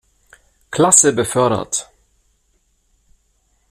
Klasse befördert.